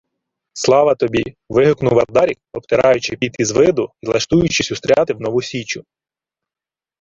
— Слава тобі! — вигукнув Ардарік, обтираючи піт із виду й лаштуючись устряти в нову січу.